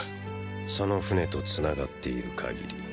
その船と繋がっている限り。